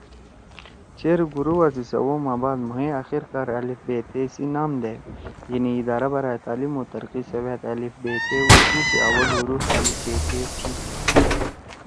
چیر گروپا سی سوؤ ما بعد مھوئے آخرکار الیف بے تے سی نام دے یعنی ادارہ برائے تعلیم و ترقی سواد۔ الیف بے تے اردو سی اوّل حروف (ا ب ت) تھی۔